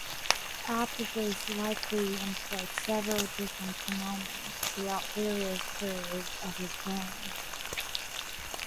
Apophis likely employed several different prenomens throughout various periods of his reign.